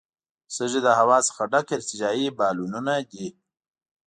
سږي له هوا څخه ډک ارتجاعي بالونونه دي.